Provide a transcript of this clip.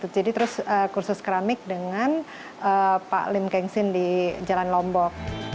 jadi terus kursus keramik dengan pak lim kengsin di jalan lombok